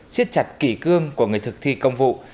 xiết chặt kỷ cương của người thực thi công vụ